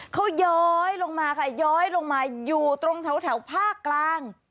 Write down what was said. เขาย้อยลงมาค่ะย้อยลงมาอยู่ตรงแถวภาคกลาง